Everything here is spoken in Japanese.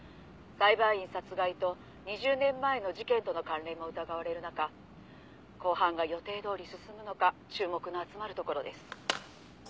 「裁判員殺害と２０年前の事件との関連も疑われる中公判が予定どおり進むのか注目の集まるところです」